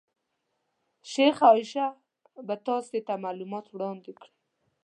شیخه عایشه به تاسې ته معلومات وړاندې کړي.